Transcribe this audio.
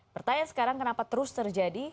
pertanyaan sekarang kenapa terus terjadi